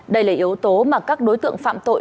đây là yếu tố mà các đối tượng phạm tội